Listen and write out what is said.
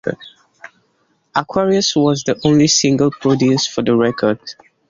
"Aquarius" was the only single produced for the record.